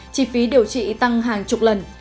chỉ phí điều trị tăng hàng chục lần